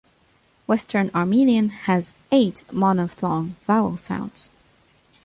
Western Armenian has eight monophthong vowel sounds.